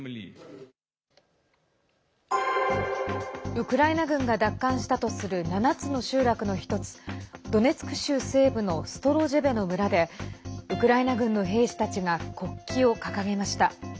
ウクライナ軍が奪還したとする７つの集落の１つドネツク州西部のストロジェべの村でウクライナ軍の兵士たちが国旗を掲げました。